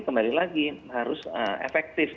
kembali lagi harus efektif